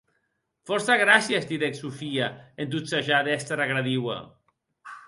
Fòrça gràcies, didec Sofia en tot sajar d'èster agradiua.